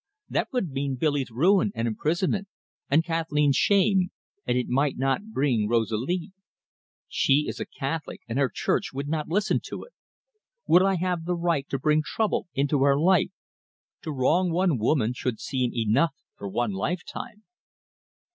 That would mean Billy's ruin and imprisonment, and Kathleen's shame, and it might not bring Rosalir. She is a Catholic, and her Church would not listen to it. Would I have the right to bring trouble into her life? To wrong one woman should seem enough for one lifetime!"